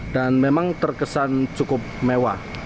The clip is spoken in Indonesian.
dan memang terkesan cukup mewah